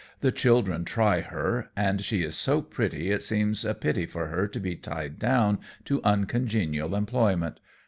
The children try her, and she is so pretty it seems a pity for her to be tied down to uncongenial employment.